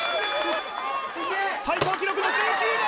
最高記録の１９枚！